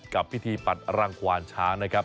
กับพิธีปัดรังควานช้างนะครับ